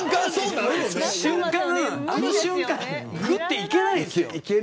あの瞬間、ぐっていけないです。